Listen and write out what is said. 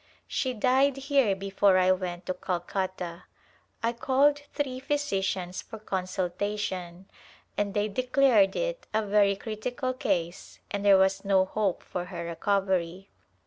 She died here before I went to Calcutta. I called three physicians for con sultation and they declared it a very critical case and there was no hope for her recovery.